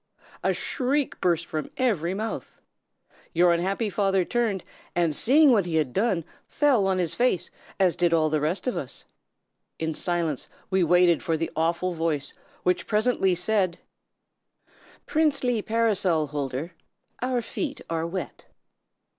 A shriek burst from every mouth! Your unhappy father turned, and seeing what he had done, fell on his face, as did all the rest of us. In silence we waited for the awful voice, which presently said: "'Princely Parasol Holder, our feet are wet.'